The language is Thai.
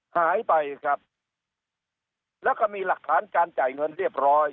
หายไปครับแล้วก็มีหลักฐานการจ่ายเงินเรียบร้อย